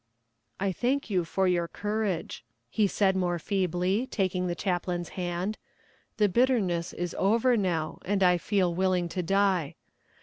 "'I thank you for your courage,' he said more feebly, taking the chaplain's hand; 'the bitterness is over now, and I feel willing to die.